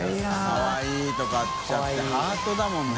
かわいい」とか言っちゃってハートだもんね。